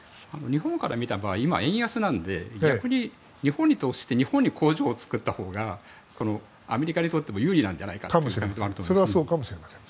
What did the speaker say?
日本から見た場合今、円安なので逆に日本に投資して日本に工場を作ったほうがアメリカにとってそうかもしれません。